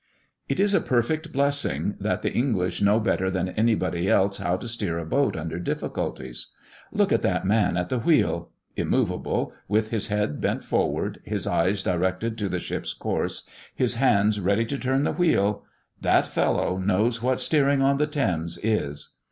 It is a perfect blessing that the English know better than anybody else how to steer a boat under difficulties. Look at that man at the wheel! Immoveable, with his head bent forward, his eyes directed to the ship's course, his hands ready to turn the wheel: that fellow knows what steering on the Thames is!